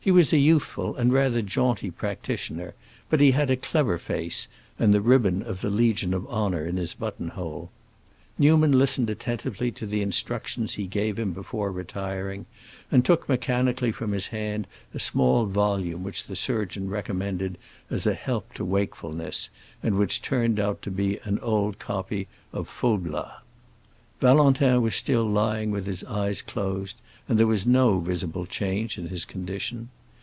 He was a youthful and rather jaunty practitioner, but he had a clever face, and the ribbon of the Legion of Honor in his buttonhole; Newman listened attentively to the instructions he gave him before retiring, and took mechanically from his hand a small volume which the surgeon recommended as a help to wakefulness, and which turned out to be an old copy of "Les Liaisons Dangereuses." Valentin was still lying with his eyes closed, and there was no visible change in his condition.